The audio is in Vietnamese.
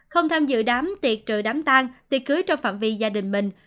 không tham dự đám tiệc trừ đám tang tiệc cưới trong phạm vi gia đình mình